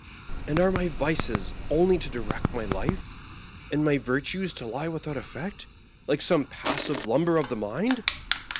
And are my vices only to direct my life, and my virtues to lie without effect, like some passive lumber of the mind